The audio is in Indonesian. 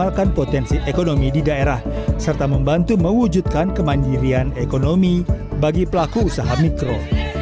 angka menyebabkan konsentrasi dan utensi ekonomi di daerah serta membantu mewujudkan kemandirian ekonomi bagi pelaku usaha mikro